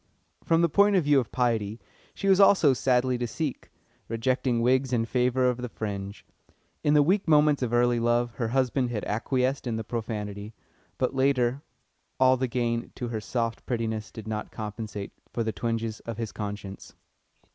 From the point of view of piety she was also sadly to seek, rejecting wigs in favour of the fringe. In the weak moments of early love her husband had acquiesced in the profanity, but later all the gain to her soft prettiness did not compensate for the twinges of his conscience.